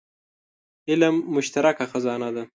علم مشترکه خزانه ده.